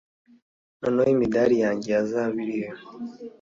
noneho imidari yanjye ya zahabu irihe